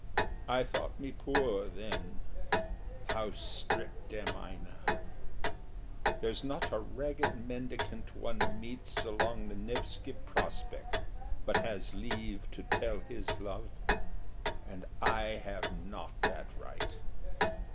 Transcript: I thought me poor then. How stript am I now! There's not a ragged mendicant one meets Along the Nevski Prospekt but has leave To tell his love, and I have not that right!